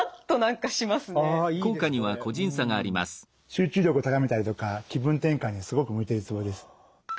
集中力を高めたりとか気分転換にすごく向いてるツボです。